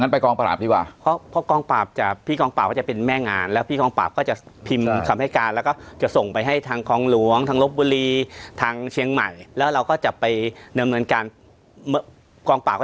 พร้อมเราติดต่อเขาทางออนไลน์เราอยู่ที่ไหนแล้วก็โอนเงินที่นั่น